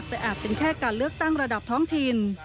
แต่อาจเป็นแค่การเลือกตั้งระดับท้องถิ่น